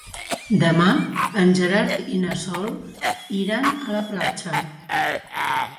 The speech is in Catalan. Demà en Gerard i na Sol iran a la platja.